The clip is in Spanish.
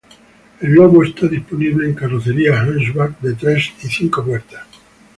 El Logo estaba disponible en carrocerías hatchback de tres y cinco puertas.